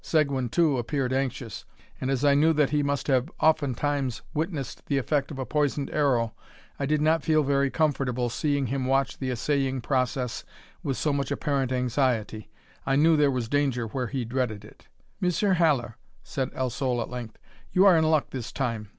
Seguin, too, appeared anxious; and as I knew that he must have oftentimes witnessed the effect of a poisoned arrow, I did not feel very comfortable, seeing him watch the assaying process with so much apparent anxiety. I knew there was danger where he dreaded it. "Monsieur Haller," said El Sol, at length, "you are in luck this time.